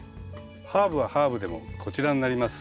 ハーブはハーブでもこちらになります。